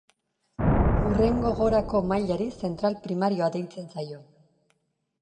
Hurrengo goragoko mailari zentral primarioa deitzen zaio.